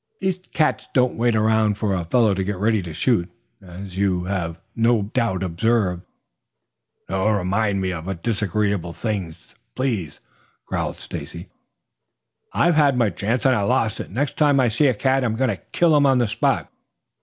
These cats don't wait around for a fellow to get ready to shoot, as you have no doubt observed." "Don't remind me of disagreeable things, please," growled Stacy. "I've had my chance and I lost it. Next time I see a cat I'm going to kill him on the spot.